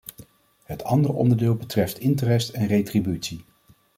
Het andere onderdeel betreft interest en retributie.